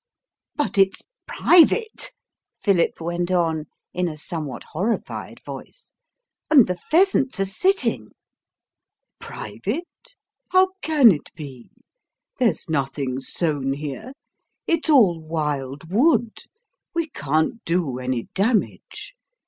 "But it's private," Philip went on, in a somewhat horrified voice; "and the pheasants are sitting." "Private? How can it be? There's nothing sown here. It's all wild wood; we can't do any damage.